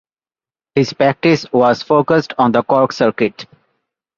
His practice was focused on the Cork circuit.